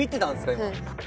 今。